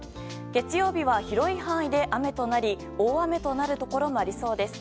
月曜日は、広い範囲で雨となり大雨となるところもありそうです。